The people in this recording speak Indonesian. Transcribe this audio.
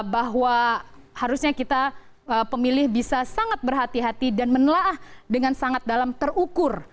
bahwa harusnya kita pemilih bisa sangat berhati hati dan menelah dengan sangat dalam terukur